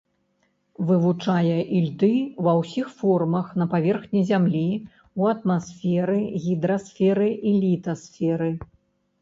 Вывучае ільды ва ўсіх формах на паверхні зямлі, у атмасферы, гідрасферы і літасферы.